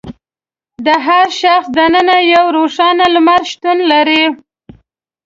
د هر شخص دننه یو روښانه لمر شتون لري.